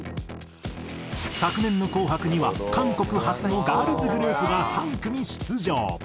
昨年の『紅白』には韓国発のガールズグループが３組出場。